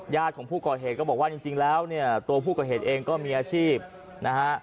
ของผู้ก่อเหตุก็บอกว่าจริงแล้วเนี่ยตัวผู้ก่อเหตุเองก็มีอาชีพนะฮะ